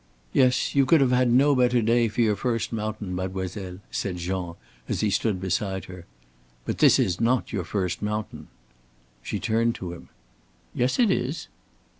"Yes you could have had no better day for your first mountain, mademoiselle," said Jean, as he stood beside her. "But this is not your first mountain." She turned to him. "Yes, it is."